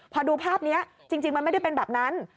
พอดูภาพนี้จริงมันไม่ได้เป็นแบบนั้น